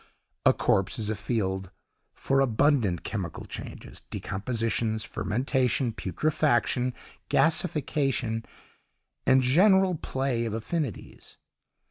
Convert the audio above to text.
A corpse is a field for abundant chemical changes, decompositions, fermentation, putrefaction, gasification, and general play of affinities.